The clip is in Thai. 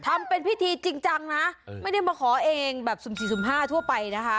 ทำเป็นพิธีจริงจังนะไม่ได้มาขอเองแบบ๐๔๐๕ทั่วไปนะคะ